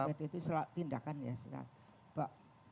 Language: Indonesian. itu tindakan ya